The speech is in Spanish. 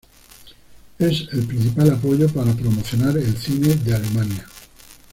Es el principal apoyo para promocionar el cine de Alemania.